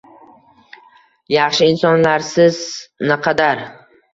Yaxshi insonlarsiz naqadar